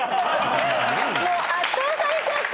もう圧倒されちゃった。